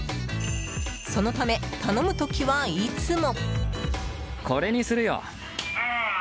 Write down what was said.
そのため、頼む時はいつも。